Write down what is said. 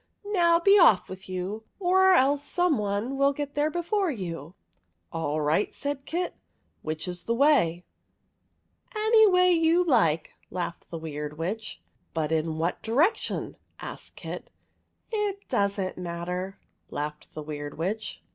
Now, be off with you, or else someone will get there before you !"" All right," said Kit. " Which is the way ?" "Any way you like," laughed the Weird Witch.' " But in what direction ?" asked Kit. " It does n't matter," laughed the Weird Witch.